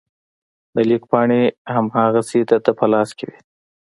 د لیک پاڼې هماغسې د ده په لاس کې وې.